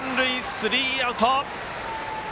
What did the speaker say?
スリーアウト！